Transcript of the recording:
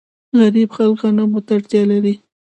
غریب خلک غنمو ته اړتیا لري.